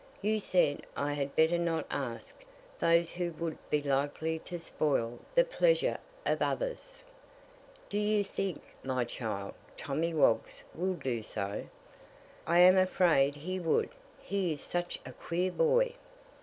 You said I had better not ask those who would be likely to spoil the pleasure of others." "Do you think, my child, Tommy Woggs will do so?" "I am afraid he would; he is such a queer boy."